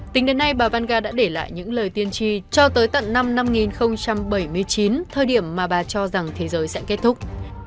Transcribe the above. tính đến nay bànga đã để lại những lời tiên tri cho tới tận năm năm bảy mươi chín thời điểm mà bà cho rằng thế giới sẽ kết thúc